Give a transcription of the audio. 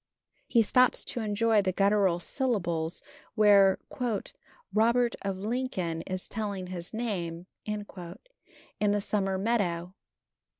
He stops to enjoy the guttural syllables where "Robert of Lincoln is telling his name" in the summer meadow.